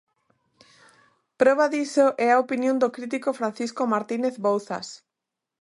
Proba diso é a opinión do crítico Francisco Martínez Bouzas.